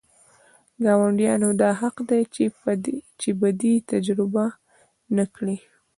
ګاونډیانو دا حق دی چې بدي تجربه نه کړي.